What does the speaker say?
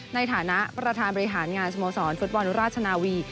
ในฐานะประธานบริหารงานสโมสรฟุตบอลราชนาวี